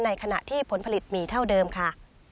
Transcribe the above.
ขณะที่ผลผลิตมีเท่าเดิมค่ะ